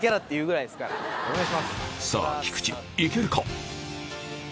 さぁ菊池いけるか？